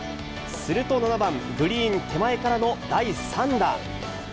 すると７番、グリーン手前からの第３打。